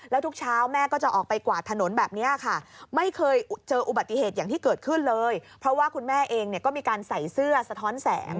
แล้วทุกเช้าแม่ก็จะออกไปกวาดถนนแบบนี้ค่ะไม่เคยเจออุบัติเหตุอย่างที่เกิดขึ้นเลยเพราะว่าคุณแม่เองก็มีการใส่เสื้อสะท้อนแสง